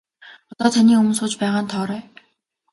Одоо таны өмнө сууж байгаа нь Тоорой.